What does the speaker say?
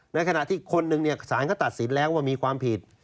ในขณะที่คนหนึ่งสารก็ตัดสินแล้วว่ามีความผิด